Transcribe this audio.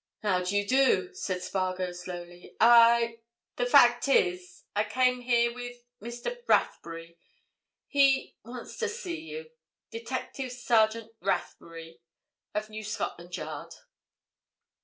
"How do you do?" said Spargo slowly. "I—the fact is, I came here with Mr. Rathbury. He—wants to see you. Detective Sergeant Rathbury—of New Scotland Yard."